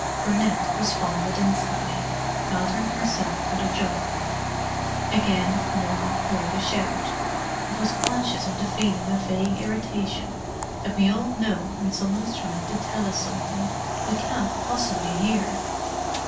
Brunette responded instantly, gathering herself for the jump. Again Norah heard a shout, and was conscious of the feeling of vague irritation that we all know when some one is trying to tell us something we cannot possibly hear.